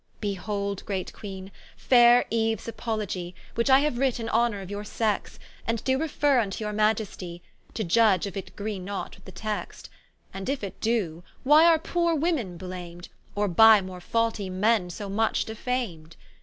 Behold, great Queene, faire Eues Apologie, Which I haue writ in honour of your sexe, And doe referre vnto your Maiestie, To iudge if it agree not with the Text: And if it doe, why are poore Women blam'd, Or by more faultie Men so much defam'd?